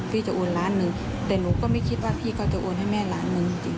พี่จะโอนล้านหนึ่งแต่หนูก็ไม่คิดว่าพี่เขาจะโอนให้แม่ล้านหนึ่งจริง